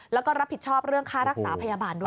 แล้วก็รับผิดชอบเรื่องค่ารักษาพยาบาลด้วย